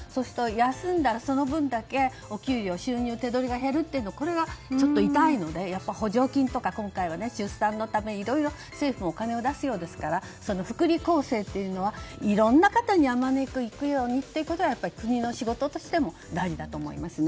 休んだら、その分お給料、手取りが減るのはこれはちょっと痛いので補助金とか今回は出産のために、いろいろ政府もお金を出すようですから福利厚生はいろいろな方にあまねくいくように国の仕事としても大事だと思います。